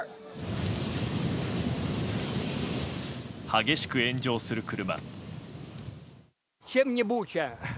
激しく炎上する車。